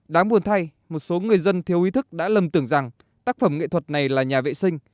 đáng buồn thay một số người dân thiếu ý thức đã lầm tưởng rằng tác phẩm nghệ thuật này là nhà vệ sinh